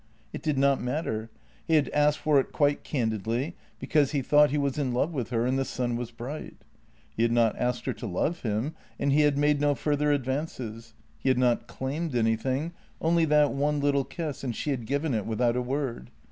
It did not matter; he had asked for it quite candidly, because he thought he was in love with her and the sun was bright. He had not asked her to love him, and he had made no further advances; he had not claimed anything, only that one little kiss, and she had given it without a word.